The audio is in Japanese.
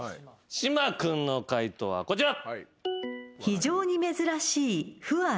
島君の解答はこちら。